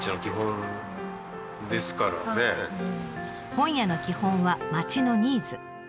本屋の基本は町のニーズ。